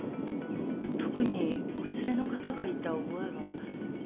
特にお連れの方がいた覚えは。